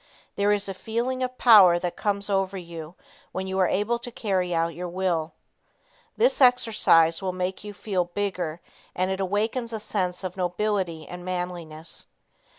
There is a feeling of power that comes over you when you are able to carry out your will. This exercise will make you feel bigger and it awakens a sense of nobility and manliness.